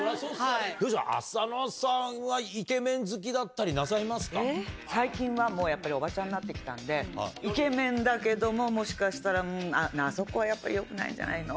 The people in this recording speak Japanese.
浅野さんは、イケメ最近はもう、やっぱりおばちゃんになってきたんで、イケメンだけども、もしかしたら、うーん、あそこはやっぱりよくないんじゃないの？